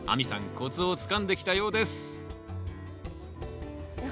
コツをつかんできたようですえっ